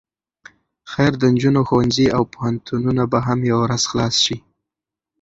خير د نجونو ښوونځي او پوهنتونونه به هم يوه ورځ خلاص شي.